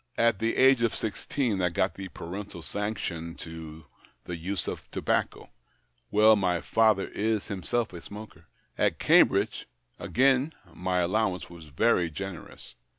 At the age of sixteen I got the parental sanction to the use of tobacco — well, my father is himself a smoker. At Cambridge, again, my allow ance was very generous.